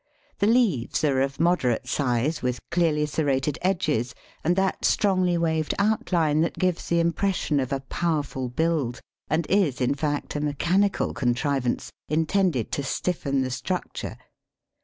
The leaves are of moderate size, with clearly serrated edges and that strongly waved outline that gives the impression of powerful build, and is, in fact, a mechanical contrivance intended to stiffen the structure.